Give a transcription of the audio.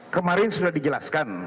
kemarin sudah dijelaskan